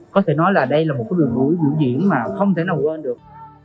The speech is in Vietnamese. có thể nói là đây là một cái đường đuổi vũ diễn mà không thể nào quên được